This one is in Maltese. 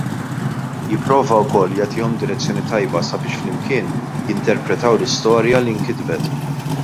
Jipprova wkoll jagħtihom direzzjoni tajba sabiex flimkien jinterpretaw l-istorja li nkitbet.